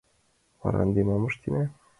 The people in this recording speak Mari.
Вара, ынде мом ыштена?